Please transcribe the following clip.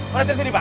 pak rasir sini pak